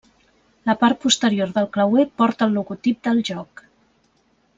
La part posterior del clauer porta el logotip del joc.